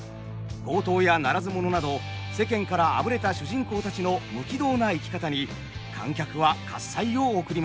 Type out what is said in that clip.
強盗やならず者など世間からあぶれた主人公たちの無軌道な生き方に観客は喝采を送りました。